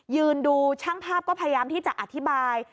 ยืนดูช่างภาพก็พยายามที่จะอธิบาย